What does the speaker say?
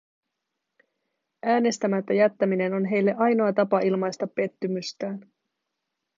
Äänestämättä jättäminen on heille ainoa tapa ilmaista pettymystään.